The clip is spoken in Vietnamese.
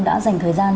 đã dành thời gian